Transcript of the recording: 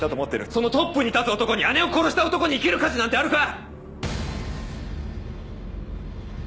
そのトップに立つ男に姉を殺した男に生きる価値なんてあるか！？